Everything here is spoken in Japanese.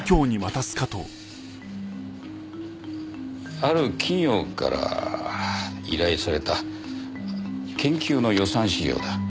ある企業から依頼された研究の予算資料だ。